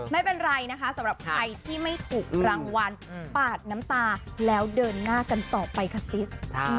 ไม่เป็นไรนะคะสำหรับใครที่ไม่ถูกรางวัลปาดน้ำตาแล้วเดินหน้ากันต่อไปค่ะซิส